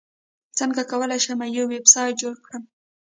څنګه کولی شم یو ویبسایټ جوړ کړم